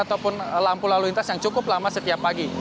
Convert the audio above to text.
ataupun lampu lalu lintas yang cukup lama setiap pagi